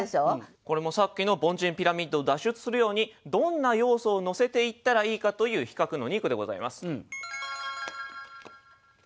これもさっきの凡人ピラミッドを脱出するようにどんな要素を乗せていったらいいかという比較の２句でございます。